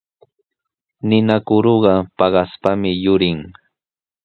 Ninakuruqa paqaspami yurin.